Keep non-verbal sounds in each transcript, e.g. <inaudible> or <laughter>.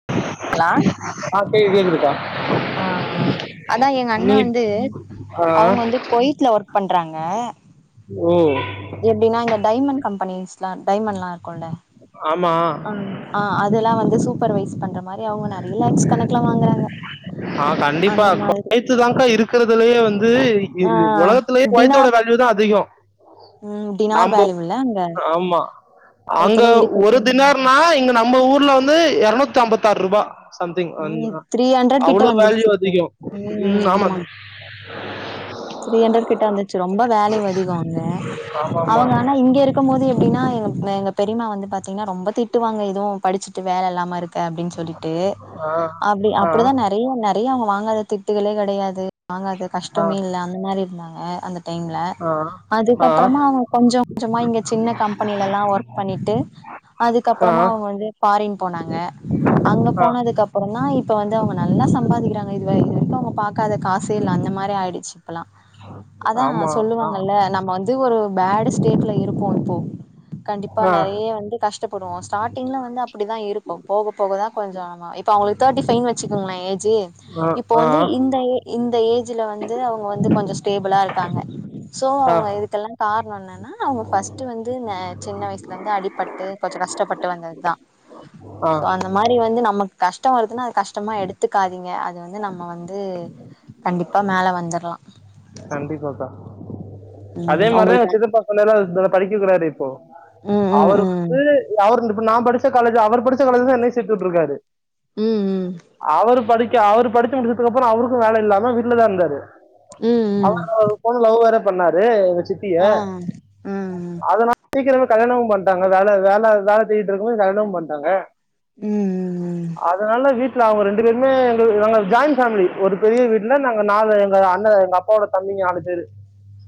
<unintelligible> ஆ கேக் கேக்குதுக்கா ஆ அதா எங்க அண்ண நீ வந்து ஆ அவுங்க வந்து க்வைத்துல ஒர்க் பண்றாங்க ம் எப்புடீன்னா இந்த டைமண்ட் கம்பெனிஸ்லா டைமண்ட்லா இருக்கோல ஆமா ஆ அதெல்லா வந்து சூப்பர்வைஸ் பண்ற மாரி எ அவுங்க நறைய லேக்ஸ் கணக்குல வாங்குறாங்க அந்த மாதிரி இதுதாங்க்கா இருக்கிறதுலயே வந்து ஆ இது உலகத்துலயே குயோத்தோட டினார் வேல்யூ தா ம் அதிகோ ம் டினார் நாம்போ வேல்யூல்ல அங்க ஆமா அங்க உலகத்துல ஒரு இருக்குறதுல தினார்னா இங்க நம்ம ஊர்ல வந்து எறநூத்தம்பத்தாறுபா சம்திங் ம் ஒன்னுதா த்ரீ ஹண்ட்ரட் கிட்ட அவ்ளோ வந்துருச்சு வேல்யூ இப்போ அதிகோ ம் ஆமா <unintelligible> த்ரீ ஹண்ட்ரட் கிட்ட வந்துச்சு ரொம்ப வேலயு அதிகோ அங்க ஆமா ஆமா அவங்க ஆன இங்க இருக் இருக்கும் போது எப்டீன்னா எங்க எங்க பெரியமா வந்து பாத்தீங்னா ரொம்போ திட்டுவாங்க இதுவு படிச்சு டு வேல இல்லாம இருக்க அப்டின்னு சொல்லிட்டு ஆ அப்டி ஆ ஆ அப்டிதானே ம் நெறைய அங்க வாங்காத திட்டுகளே கெடையாது வாங்காத கஷ்டமே இல்ல அந்த மாரி இருந்தாங்க அந்த டைம்ல ஆ ஆ அதுக்கப்புறமா அவங் கொஞ்சொ கொஞ்சொமா இங்க சின்ன கம்பெனில எல்லா ஒர்க் பண்ணிட்டு ஆ அதுக்கப்புறமா அவங்க வந்து ஃபாரின் போனாங்க அங்க ஆ போனதுக்கு அப்புற தா இப்ப வந்து அவங்க நல்லா சம்பாதிக்கிறாங்க இது வரை இது வரைக்கு அவங்க பா காத காசே இல்ல அந்த மாரி ஆயிடுச்சு இப்ப எல்லா அதா ஆமா ஆ சொல்லுவாங்கல்ல நம்ம வந்து ஒரு பேடு ஸ்டேட்ல இருக்கோ இப்போ கண்டிப்பா ஆ நெறையா வந்து கஷ் டப்படுவோம் ஸாட்டிங்ல வந்து அப்டிதான் இருக்கு போகபோக தா கொஞ்ச ஆமா இப்ப அவங்களு தேர்ட்டிஃபைவ்னு வச்சுக்கங்களே ஏஜு இப்போ ஆ வந்து இந்த எ இந்த ஏஜ்ல வந்து அவங்க வந்து கொஞ்சோ ஸ்டேபிளா இருக்காங்க சோ ஆ அவங்க ஆ இதுக்கெல்லா காரணோ என்ன நா அவங் ஃபஸ்ட் வந்து ந சின்ன வயசுலருந்து அடிபட்டு கொஞ்சோ கஷ்டப்பட்டு வந்ததுதா ஆ அந்த மாரி வந்து நமக்கு கஷ்டோ வருதுன்னா அது கஷ்டமா எடுத்துக்காதீங்க அது வந்து நம்ம வந்து கண்டிப்பா மேல வந்தரலா கண்டிப்பாக்கா அதே ம் மாரிதா எங்க உங்களுக்கு சிதப்பா சொன்ன எல்லாம் படிக்க வெக்கறாரு இப்போ ம் ம் அவரு வந்து ம் அவரு இப்ப நா படிச்ச காலேஜ் அவர் படிச்ச காலேஜ் தா என்னையு சேத்து விட்டுருக்காரு ம் ம் அவரு படிக்க அவரு படிச்சு முடிச்சதுக்கு அப்புறோ அவருக்கு வேல இல்லாம வீட்ல தா இருந்தாரு ம் ம். அவரு ஒரு பொண்ண லவ் வேற பண்ணாரு எங்க சித்திய ஆ ம் ம் அதனா சீக்கிரமே கல்யாணமு பண்டாங்க வேல வேல வேல தேடிட்டு இருக்கும்போது கல்யாணமும் பண்டாங்க ம் ம் ம் அதனால வீட்ல அவுங்க ரெண்டு பேருமே எங்களுக்கு எங்களுக்கு ஜாயின்ட் ஃபேமிலி ஒரு பெரிய வீட்டுல நாங்க நாலு எங்க அண்ண எங்க அப் ப்பா ஓட தம்பிங்க நாலு பேரு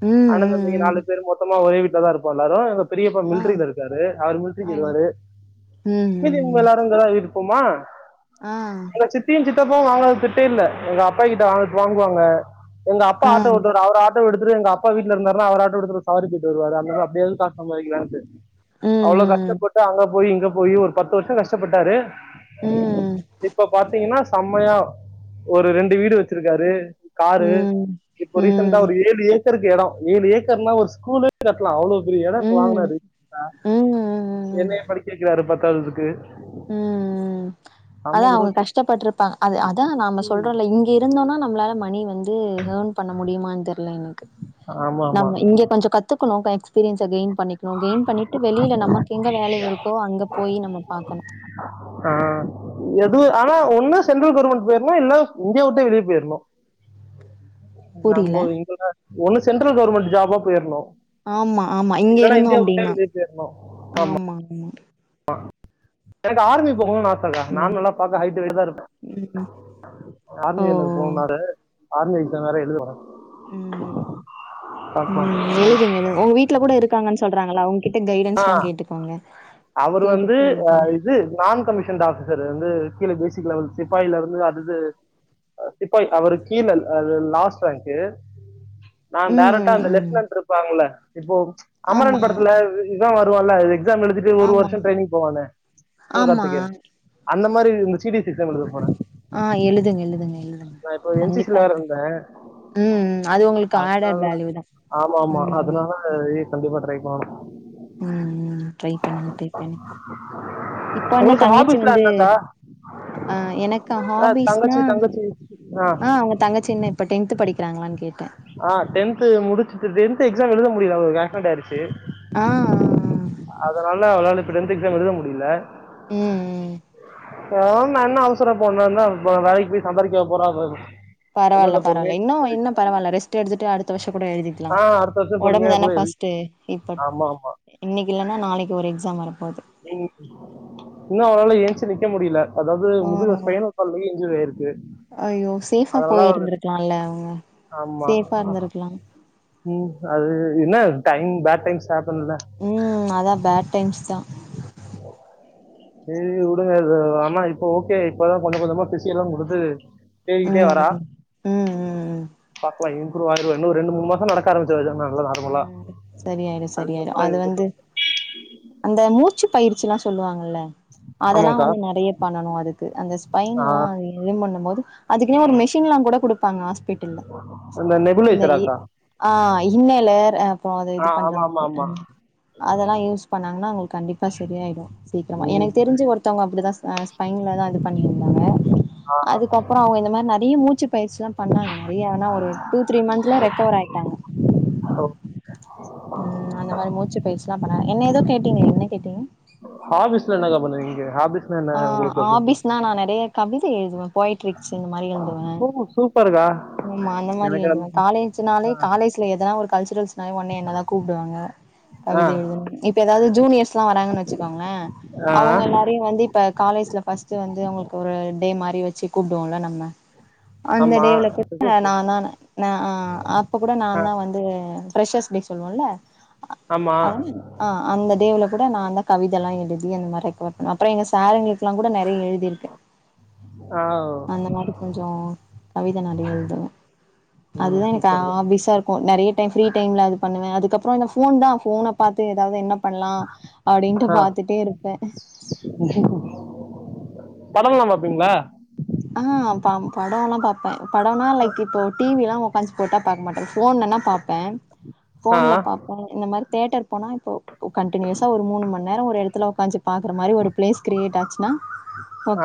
ம் அண்ண தம்பி ம் நாலு ம் பேரு மொத்தமா ஒரே வீட்ல தா இருப்போ எல்லாரு பெரியப்பா ஆ மில்ட்ரில இருக்காரு அவரு மில்ட்ரி ஆ ம் போயிருவாரு மீதி இவுங்க ம் எல்லாரு இங்க தா இரு ப்போமா ஆ எங்க சித்தியு சித்தப்பாவு வாங்காத திட்டே இல்ல எங்க அப்பாயி கிட்ட வாங் வாங்குவாங்க எங்க அப் அப்பா ஆட்டோ ஓட்டுவாரு அவரு ஆட் ட்டோவ எடுத்துட்டு எங்க அப்பா வீட்ல இருந்தாருன்னா அவரு ஆட்டோ எடுத்து ஒரு சவாரி போயிட்டு வருவாரு அதுனால அப்டியாவது காசு சம்பாரிக்கலான்ட்டு அவ்ளோ கஷ்டப்பட்டு அங்க போயி இங்க போயு ஒரு பத்து வருஷோ கஷ்டப்பட்டாரு இப்ப பாத்தீங்கன்னா செம்மையா ஒரு ரெண்டு வீடு வச்சிருக்காரு காரு ம் இப்போ ரீசன்ட்டா ம் ஒரு ஏழு ஏக்கருக்கு எடோ ஏழு ஏக்கர்னா ஒரு ஸ்கூலே கட்டலா அவ்ளோ ஒரு எடோ இப்ப ம் வாங்கனாரு சன்ட்டா என்னைய படிக்க வக்கிறாரு பத்தாததுக்கு ம் ம் அதா அவுங்க கஷ்டப்பட்டுருப்பா அது அதா நாம சொல்றோ இல்லை இங்க இருந்தோனா நம்மளால மணி வந்து ஏர்ன் பண்ண முடியுமானு தெரில எனக்கு ஆமா ஆமா நம்ம இங்க கொஞ்சோ கத்துக்கணு க எக்ஸ் பீரியன்ஸ்ச கெயின் பண்ணிக்கணு கெயின் பண்ணிட்டு வெளியில நமக்கு எங்கே வேல்யூவ் இருக்கோ அங்கே போயி நம்ம பாக்கணு ஆ எதுவு ஆனா ஒன்னு சென்ட்ரல் கவர்மெண்ட் போயிரணு இல்ல இந்தியா விட்டே வெளிய போயிரணு புரில நம்போ இங்கலா ஒண்ணு சென்ட்ரல் கவர்மெண்ட் ஜாபா போயிரணு ஆமா ஆமா இங்க இருந்தோ அப்டின்னா வெளியே ஆமா ஆமா அ எனக்கு ஆர்மி போகணுனு ஆச அக்கா நா ம் நல்லா பாக்க ஹைட் வெய்ட்டு தா இருப்பே ம் ஓ ஆர்மி எனக்கு போனுனாரு ஆர்மி எக்ஸாம் வேற எழுத போறே ம் அப்பா ம் எழுதுங்க எழுதுங்க உங்க வீட்ல கூட இருக்கான்னு சொல்றாங்கள அவுங்கிட் ஆ அவரு வந்து கேட்டுட்டு எழுதுங்க இது நான் கமிஷன்டு ஆபிஸ் இவரு வந்து கீழ பேசிக் லெவல் சிப்பாயில இருந்து அதுது சிப்பாய் அவருக்கு கீழ ல ல லாஸ்ட் ராங்க்கு நா ம் டெரக்டா ம் அந்த ம் லெப்லன்ட் இருப்பாங்கள இப்போ ஆமா அமரன் படத்துல இவ வருவான்ல எக்ஸாம் எழுதிட்டு ஒரு ஆமா வர்ஷோ டிரையனிங் போவானே ஆமா சிவகார்த்திகேயன் அந்த மாரி இந்த சி டி சி எக்ஸாம் எழுத போறே ஆ எழுதுங்க எழுதுங்க எழுதுங்க கண்டிப்பா எழுதுங்க பேறந்தே ம் ம் அது உங்களுக்கு ஆடட் வேல்யூ தா ஆமா ஆமா ம் அதனால ம் இது கண்டிப்பா ட்ரை பண்ணனு ம் ம் ட்ரை பண்ணுங்க ட்ரை பண்ணு இப்ப என்ன உங்களுக்கு தங்கச்சி ஹாபிஸ்ல வந்து என்னக்கா ஆ எனக்கு ஆ, ஹாபிஸ்னா தங்கச்சி தங்கச்சி ஆ அவ தங்கச்சின்னு இப்ப டென்து படிக்கிறாங்களான்னு கேட்டே ஆ டென்து முடிச்சுட்டு டென்து எக்ஸாம் எழுத முடியல அவுகளுக்கு ஆக்சிடென்ட் ஆயிடுச்சு ஆ ஆ ம் அதனால அவளால இப்ப டென்த் எக்ஸாம் எழுத முடியல ம் ம் போனா என்ன அவசரோ இப்போ போனா என்ன வேலைக்கு போய் சம்பாரிக்கவா போறா இப்ப ப பரவால பரவால இன்னு இன்னு பரவால ரெஸ்ட் எடுத்துட்டு அடுத் அடுத்த வர்ஷோ கூட எழுதிக்கலா ஆ அடுத்த வருஷம் ஒடம்பு பொறுமையாக தானே கூட எழுதி ஃபஸ்ட்டு இப்ப ஆமா ஆமா இன்னைக்கி இல்லன்னா நாளைக்கி ஒரு எக்ஸாம் வரப்போகுது ம் இன்னு அவளால ஏன்ச்சு நிக்க முடியல அதாவது முதுகல ஸ்ஃபைனோ கால்லையு இன்சுரி ஆயிருக்கு அய்யோ சேஃபா அதனால போய் அவள் இருந்துருக்கலால்ல அவுங்க ஆமா சேஃபா இருந்திருக்கலா ம் அது என்ன டைம் பேட் டைம் ஸ்டார் பண்ணுல ம் அதா பேட் டைம்ஸ் தா செரி விடுங்க இது ஆமா இப்ப ஓகே இப்பதா கொஞ்ச கொஞ்சமா பிசியோல்லா குடுத்து தேரிகிட்டே ம் வரா ம் ம் ம் பாக்லா இம்ப்ரூ ஆயிருவா இன்னு ஒரு ரெண்டு மூணு மாச நடக் <unintelligible> ஆரம்பிச்சு வச்சா நல்லா ஆ நார்மலா சரியாயிடு சரியாயிடு அதுக்கப்பற அது இதுக்கப்பற வந்து அந்த மூச்சு பயிற்சிலா சொல்லுவாங்கல்ல அதெல்லா ஆமாக்கா வந்து நெறைய பண்ணனு அதுக்கு அந்த ஆ, ஸ்பென்ல்லா இதுவும் பண்ணும் போது அதுக்குனே ஒரு மெஷின்லா கூட குடுப்பாங்க பேட்டில்லா இந்த இ ஆ இன்னலர் ஆ அப்றோ அது ஆ இது பண்ற ஆமா ஆமா மாதிரி அ ஆமா அதெல்லா யூஸ் பண்ணாங்கன்னா அவங்களுக்கு கண்டிப்பா செரியாயிடு சீக்கிரமா ம் எனக்கு தெரிஞ்சு ஒருத்தவங்க அப்டி தா அ பையன்ல தா இது பண்ணியிருந்தாங்க அதுக்கப்பற அவுங்க இந்த மாரி நெறைய மூச்சு பயிற்சிலா பண்ணாங்க நெறைய ஆனா ஒரு டூ த்ரீ மந்த்துல ரெக்கவர் ஆயிட்டாங்க ம் அந்த மாரி மூச்சு பயிற்சிலா பண்ணா என்ன ஏதோ கேட்டீங்களே என்ன கேட்டீங்க ஹாபிஸ்ல என்னக்கா பண்ணுவீங்க ஹாபிஸ் ஆ ஹாபிஸ்னா நா நெறைய கவிதை எழுதுவே பொயட்ரிக்ஸ் இந்த மாரி எழுதுவே ம் சூப்பருக்கா ஆமா அந்த மாரி எழுதுவ காலேஜ்னாலே காலேஜ்ல எதனா ஒரு கல்சுரல்ஸ் னாலே உன்னே என்னதா கூப்டுவாங்க ஆ கவிதை எழுதணுனு இப்ப ஏதாவது ஜூனியர்ஸ்லா வராங்கன்னு வச்சுக்கோங்களே ஆ அவுங்க எல்லாரையு வந்துப் இப்ப காலேஜ்ல ஃபர்ஸ்ட்டு வந்து அவங்களுக்கு ஒரு டே மாரி வச்சு கூப்புடுவோல்ல நம்ம அந்த ஆமா டேலவுல கூட நா தா அ அப்ப கூட நா ஆ தா வந்து ஃபிரஷஸ் டேஸ் சொல்லுவோல்ல ஆமா அத ஆ அந்த டேவுல கூட நாந்தா கவிதையெல்லா எழுதி அந்த மாதிரி ரெக்கவர் அப்பறோ எங்க சார்ங்களுக்குலா கூட நெறைய எழுதிருக்கே ஆ அந்த மாதிரி கொஞ்சோ கவித நெறைய எழுதுவே ம் அதுதா எனக்கு சூப்பர்ங்க ஆபிஸா நெறைய டைம் ஃப்ரீ டைம்ல அது பண்ணுவ அதுக்கப்பறோ இதுபோன் தா போன பாத்து ஏதாவது என்ன பண்ணலா அப்படின்ட்டு பாத்துட்டே இருப்பே படோல்லா பாப்பிங்களா ஆ படோல்லா பாப்பன் படோன்னா லைக் இப்போ டி வி ல்லா பன்ச் போட்டா பாக்க மாட்டே போன்லன்னா பாப்பே ஆ போன்ல பாப் இந்த மாரி தேட்டர் போனா இப்போ கண்ட்டினியுஸா ஒரு மூணு மண் நேரம் ஒரு எடத்துல உக்காஞ்சு பாக்குற மாரி ஒரு பிளேஸ் கிரியேட் ஆச்சுன்னா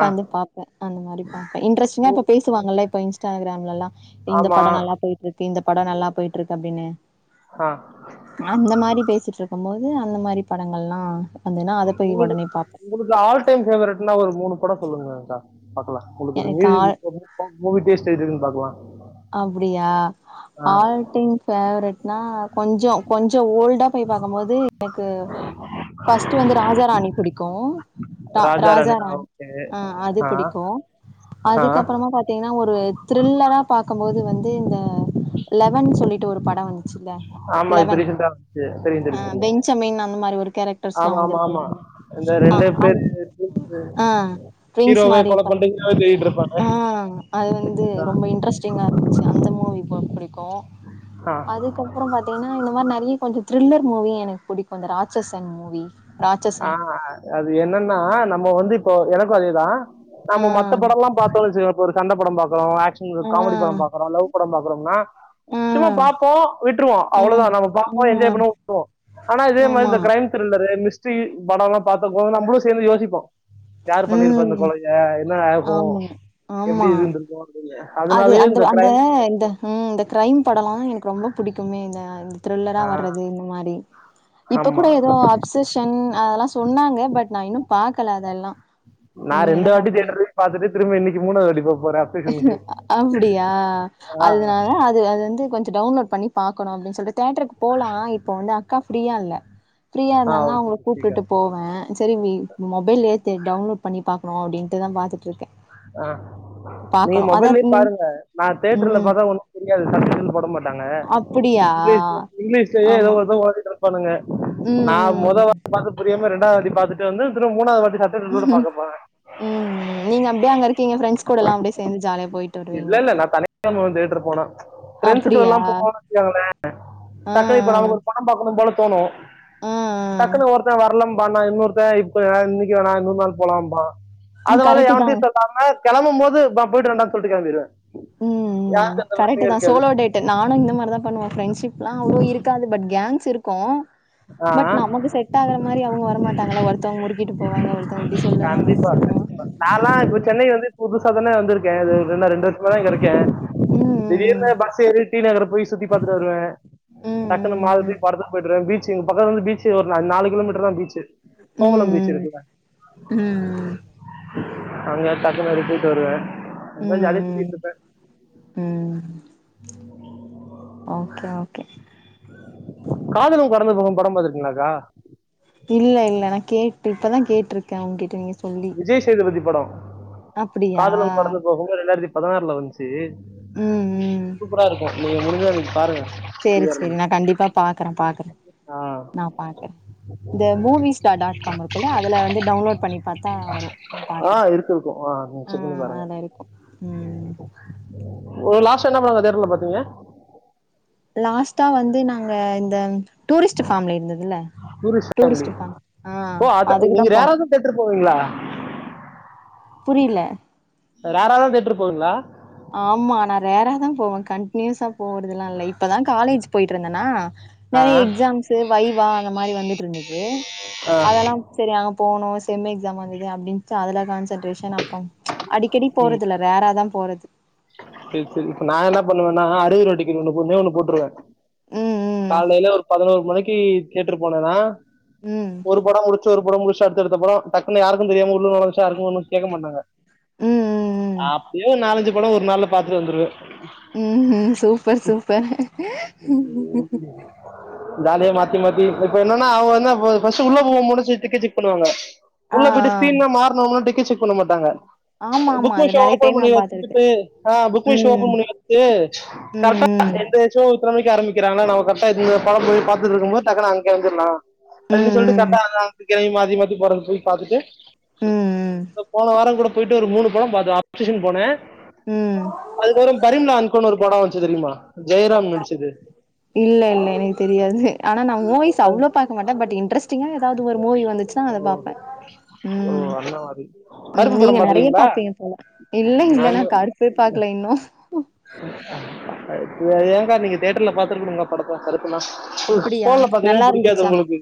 ஆ பாப்பே அந்த மாரி பாப்பே இன்டரஸ்டிங்கா இப்ப ம் பேசுவாங்கல்ல இப்ப இன்ஸ்டாகிராம்லல்லா இந்த ஆமா படோ நல்லா போயிட்டு இருக்கு இந்த படோ நல்லா போயிட்டு இருக்கு அப்படின்னு ஆ அந்த மாரி பேசிட்டு இருக்கம் போது அந்த மாரி படங்கள்லா வந்துதுன்னா அத போய் உங்களு ஒடனே பாப்பே உங்களுக்கு ஆல் டைம் ஃபேவரட்னா ஒரு மூணு படோ சொல்லுங்கக்கா பாக்கலா உங்களுக்கு ஒரு எனக்கு மூவி ஆள் புடுச்சிருந்தா மூவி டேஸ்ட் எப்டி இருக்குன்னு பாக்கலா அப்படியா ஆ ஆல் டைம் ஃபேவரெட்னா கொஞ்சோ கொஞ்சோ ஓல்டா போய் பாக்கம்போது எனக்கு ஃபஸ்ட்டு வந்து ராஜா ராணி பிடிக்கும் ரா ராஜா ராணி ஆ அது பிடிக்கும் ஆ அதுக்கப்பறமா பாத் தின்னா ஒரு த்ரில்லரா பாக்கம் போது வந்து இந்த லெவன் சொல்லிட்டு ஒரு படம் வந்துச்சில்ல ஆமா இப்ப லெவன் ரீசெண்டா வந்துச்சு தெரியு ஆ தெரியு தெரியு பென்ச்சமின் அந்த மாரி ஒரு கேரக்டர்ஸ்லா ஆமா ஆமா வந்திருக்குல்ல ஆமா இந்த அதல ரெண்டு ஆ அந் பேரு ஆ டுவின்ஸ் ஹீரோவே மாரி கொல இருப்பாங்க பண்றீங்கனாவே தேடிட்டு இருப்பாங்க ஆ அது வந்து ரொம்ப இன்ட்ரெஸ்ட்டிங்கா இருந்துச்சு அந்த மூவி பு புடிக்கும் ஆ ஆ அது துக்கப்றோ பாத்தீங்கன்னா இந்த மாரி நெறைய கொஞ்சோ த்ரில்லர் மூவி எனக்கு புடிக்கும் இந்த ராட்சஸன் மூவி ஆ ராட்சசன் அது என்னன்னா நம்ம வந்து இப்போ எனக்கும் அதேதா ஆ நம்ம மத்த படோல்லா பாத்தோன்னு வெச்சக்கங்க இப்ப ஒரு சண்ட படோ பாக்குறோ ஆக்ஷ் ஆ உங்களுக்கு காமடி படோ பாக்கறோ லவ் படோ பாக்கறோன்னா ஆ சும்மா பாப்போ உட்ருவோ ஆ ஆ அவளதா நம்ம பாப்போ என்ஜாய் பண்ணுவோ உட்ருவோ ஆனா இதே மாரி ஆமா இந்த கிரைம் த்ரில்லரு மிஸ்டரி படோல்லா பாக்கும்போது நம்மளும் சேந்து யோசிப்போ யாரு பண்ணிருப்பா இந்த ம் கொலய என்ன ஆயிருக்கும் ஆமா எப்டி ஆமா இருந்திருக்கும் அப்டினு அது அந்த அந்த இந்த ம் இந்த கிரைம் படோல்லா எனக்கு ரொம்ப புடிக்குமே இந்த த்ரில்லரா ஆ வர்ரது இந்த மாரி இப்ப ஆமா. கூட ஏதோ அப்சஷன் அதெல்லா சொன்னாங்க பட் நா இன்னும் பாக்கல அதெல்லா இனிமேதா பாக்கனுமே பாத்துட்டு திரும்ப இன்னைக்கு மூனாவது வாட்டி போப் போறே அப்புடியா ஆ, அதனால அது அது வந்து கொஞ்ச டவுன்லோட் பண்ணி பாக்கணு அப்படின்னு சொல்லி தேட்டருக்கு போலா இப்ப வந்து அக்கா ஃப்ரீயா இல்ல ஃப்ரீயா ஆ இருந்தாங்கன்னா ஓகே, அவங்கள ஓகேக்கா. கூப்டுட்டு போவே சரி இ மொபைலேத்தி டவுன்லோட் பண்ணி பாக்கணு அப்டின்ட்டுதா பாத்துட்ருக்கே ஆ நீங்க மொபைல்லயே ம் பாருங்க நா தேட்டர்ல ம் பாத்தா ஒன்னும் புரியாது சப்டைட்டில் போட மாட்டாங்க அப்புடியா இங்கலீஷ்ல இங்கலீஷ்லயே எதோ ஆமா ஏதோ ஓட்டிட்டு இருக்க பண்ணுங்க ம் நா ம் ம் மொதவாட்டி பாத்து புரியாம ரெண்டாது வாட்டி பாத்துட்டு வந்து திரும்பவு மூணாவது வாட்டி பாத் <unintelligible> பாக்கப்போவ ம் ம். நீங்க அப்டியே அங்க இருக்கீங்க ஃப்ரண்டஸ் கூடல்லா அப்டியே சேந்து ஜாலியா போயிட் இல்ல இல்ல நா தனியா தா போவ தேட்டரு போன பிரெண்ட்ஸுக்கூடலா போன வச்சிக்கோங்களே அ இப்ப நமக்கு ஒரு பட பாக்கணு போல தோணு ஆ ஆ டக்குன்னு ஒருத்த வரலாம்பா நா இன்னொருத்த இப்ப இன்னைக்கு வேணா இன்னொரு நாள் போலாம்பா ஆ அதனால கரெக்ட்டு தா எவண்டையு ம் சொல்லாம கெளம்பும் போது நா போயிட்டுவரேன்டானு சொல்ட்டு கெளம்பிடுவே ம் ம் கரெக்ட் தா சோலோ டேட் நானு இந்த மாரிதா பண்ணுவ ஃப்ரெண்ட்ஷிப் லா அவ்ளோ இருக்காது பட் கேங்க்ஸ் இருக்கு பட் ஆஹ் நமக்கு செட் ஆகுற மாரி அவங்க வரமாட்டாங்கல ஒருத்தவங்க முறுக்கிட்டு போவாங்க ஒருத் கண்டிப்பா கண்டிப்பா நாலா இப்ப சென்னை வந்து புதுசாதான வந்திருக்கே ரெ ரெண்டு ரெண்டு வருஷமா தா இங்க இருக்க ம் திடீர்னு பஸ் ஏறி டி நகர போய் சுத்தி பாத்துட்டு வருவ டக்னு மாலுக் ம் போய் படத்துக்கு போயிட்டு வருவே பீச் எங்க பக்கத்துல பீச்சு ஒரு நாலு கிலோமீட்டர் தா பீச்சு ம் ம் கோவலம் பீச் ம் இருக்குல ம் ம் அங்க டக்குனு அப்டி போய்ட்டு வருவ ம் அப்பற ஜாலியா ம் ம். சுத்திட்ருப்ப ம் <inaudible> ஓகே ஓகே காதலும் கடந்து போகும் படம் பாத்துருக்கீங்களாக்கா இல்ல இல்ல நா கேட்டு இப்பதா கேட்ருக்க உங்கிட்ட நீங்க சொல்லி விஜய் சேதுபதி படொ அப்டியா காதலும் கடந்து போகும் ரெண்டாயிரத்தி பதினாறுல வந்துச்சு ம் ம் சூப்பரா இருக்கு நீங்க முடிஞ்சா இன்னைக்கு பாருங்க சேரி ஃப்ரீயா சேரி நா கண்டிப்பா பாக்குற பாக்குற ஆ. நா ஆ பாக்கற இந்த மூவி ஸ்டார் டாட் காம் இருக்குல்ல அது வந்து டவுன்லோட் பண்ணி பாக் ஆ இருக்கு இருக்கு ஆ நீங்க செக் பண்ணி பாருங்க அதுல இருக்கு ம் ஒரு லாஸ்ட்டா என்ன பட ப்ரோ தியேட்டர்ல பாத்தீங்க லாஸ்டடா வந்து நாங்க இந்த டூரிஸ்ட் ஃபேமலி இருந்ததுல டூரிஸ்ட் ஃபேமி ஆ ஓ அத அதுக்குதா நீங்க போனு ரேரா தான் தேட்டர் போவீங்களா புரில ரேரா தா தியேட்டருக்கு போவீங்ளா ஆமா நா ரேரா தா போவ கண்ட்னியூஸா போவறதுல்லா இல்ல இப்பதான் காலேஜ் போயிட்ருந்தனா ஆ நிறைய எக்ஸாம்ஸ்ஸூ வைவா அந்த மாரி வந்துட்டு இருந்தது ஆ அதெல்லாம் சரி அங்க போனு செம் எக்ஸாம் வந்தது அப்படின்டு அதுல கான்சன்ட்ரேஷன் அப்புற அடிக்கடி ம் போறதுல ரேரா தா போறது சரி சரி இப்ப நா என்ன பண்ணுவனா அறுவரூவா டிக்கெட் ஒன்ணே ஒண்ணு போட்டுருவ ம் ம் காலேல ஒரு பதினோரு மணிக்கு தியேட்டரு போனனா ம் ஒரு பட முடிச்சு ஒரு பட முடிச்சு அடுத் தடுத்தடுத்தபட டக்குனு யாருக்கு தெரியாம உள்ள நொலஞ்சா யாருக்கு ஒன்னு கேக்க மாட்டாங்க ம் ம் அப்பயும் நாலஞ்சு படம் ஒரு நாள்ல பாத்துட்டு வந்துருவ ம் ம் சூப்பர் சூப்பர் <inaudible> <inaudible> வேலையா மாத்தி மாத்தி இப்ப என்னன்னா அவங்க ப பஸ் உள்ள போகுமுன்னே சி டிக்கட் செக் பண்ணுவாங்க ஆ ஆ உள்ள போயிட்டு ஸ்கரீன்ல மாறணும்னு டிக்கட் செக் பண்ண மாட்டாங்க ஆமா ஆமா புக் மை அது ஷோ நெறைய ஓபன் டைம் பண்ணி நான் பாத்துருக்கேன் வச்சிகிட்டு ஆ புக் மை ஷோ ஓபன் ம் பண்ணி வச்சுட்டு ம் கரெக்டா எந்த ம் ஷோ எத்தன மணிக்கு ஆரம்பிக்கிறாங்களோ நம்ம கரெட்டா இந்த படம் போய் பார்த்திட்டுருக்குபோ டக்குன்னு அங் எழுந்தர்லா ம் சொல்ட்டு சொல்ட்டு ம் கரெட்டா <unintelligible> மாத்தி மாத்தி போறது சொல்லி பாத்துட்டு ம் போன வாரம் கூட போயிட்டு ஒரு மூணு படம் பாத்து அப்ஷேஷன் போன ம் ம் அதுக்கப்புரோ பரிம்லா அன்கோன்னு ஒரு படம் வச்சு தெரியுமா ஜெயராம் நடிச்சது இல்ல இல்ல எனக்கு தெரியாது ஆன நா மூவிஸ் அவ்ளோ பாக்க மாட்ட பட் இன்ட்ரெஸ்ட் சின்னதா ஏதாவது ஒரு மூவி வந்துச்சுன்னா அத ஓ பாப்பே ஓ ம் அண்ணா மாதிரி ம் கருப்பு நீங்க படம் நெறைய பாத்துறீங்களா பாப்பீங்க போல இல்ல நாங்க இல்லன்னா கருப் போ பாக்கல இன்னு ஏன்கா நீங்க தியேட்டர்ல பாத்துருக்கணுங்கா படத்த கருப்புலா அப்டியா போன்ல பாத்தீங்கன்னு புடிக்காது உங்களுக்கு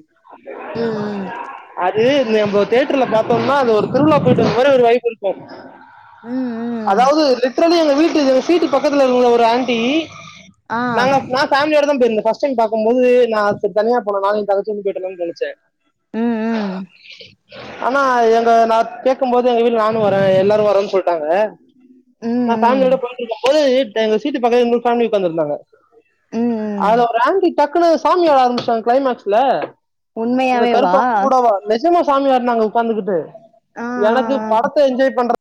ம் ம் அது நம்ம தேட்டர்ல பார்த்தோம்னா அது ஒரு திருவிழா போயிட்டு வந்த மாரி ஒரு வைப் இருக்கு ம் ம் லிட்ரலி எங்க வீட்டு சீட்டு பக்கத்தில இரு ஒரு ஆன்டி ஆ நாங்க நா பேலியோட தா போயிருந்த ஃபஸ்ட் டைம் பாக்கு போது நா தனியா போன நானு ஏ தங்கச்சியு பொயிட்டு வந்தோனு தோனுச்சி ம் ம் <unintelligible> ஆனா எங்க நா கேட்கு போது எங்க வீட்ல நானு வர எல்லாரு வரேன் சொல்ட்டாங்க ம் நான் ம் ஃபேமிலியோட போய்ட்டுருக்கு போது எங்க சீட்டு பக்கத் இன்னொரு ஃபேமிலி உக்காதுந்திருந்தாங்க ம் ம் அதுல ஒரு ஆண்டி டக்குனு சாமியாட ஆரம்பிச்டாங்க கிளைமேக்ஸ்ல இந்த உண்மையாவேவா கருப்பா கூடவா நிஜமா சாமியாட்னாங்க உட்காந்துகிட்டு ஆ எனக்கு ஆ ஆ படத்த என்ஜாய் பண்ற